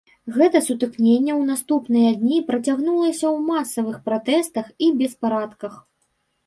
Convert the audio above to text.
Гэта сутыкненне ў наступныя дні працягнулася ў масавых пратэстах і беспарадках.